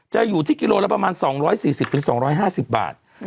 จะอยู่ที่กิโลละประมาณ๒๔๐๒๕๐บาท